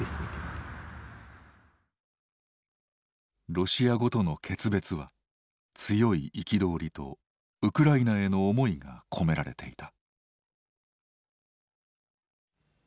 ロシア語との決別は強い憤りとウクライナへの思いが込められていた。